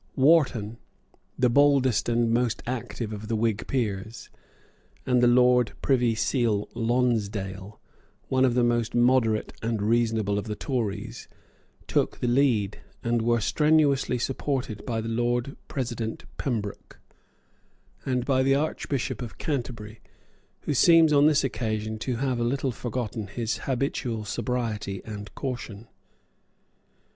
Wharton, the boldest and most active of the Whig peers, and the Lord Privy Seal Lonsdale, one of the most moderate and reasonable of the Tories, took the lead, and were strenuously supported by the Lord President Pembroke, and by the Archbishop of Canterbury, who seems on this occasion to have a little forgotten his habitual sobriety and caution.